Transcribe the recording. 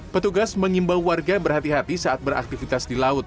petugas mengimbau warga berhati hati saat beraktivitas di laut